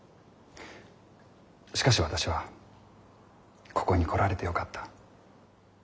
しかし私はここに来られてよかった。